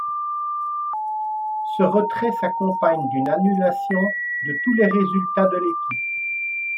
Ce retrait s'accompagne d'une annulation de tous les résultats de l'équipe.